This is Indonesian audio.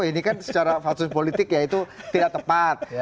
ini kan secara fatsus politik ya itu tidak tepat